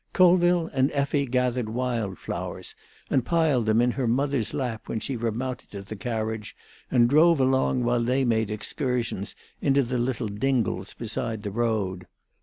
Colville and Effie gathered wild flowers, and piled them in her mother's lap when she remounted to the carriage and drove along while they made excursions into the little dingles beside the road.